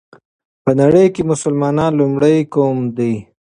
په نړۍ كې مسلمانان لومړى قوم دى